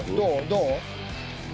どう？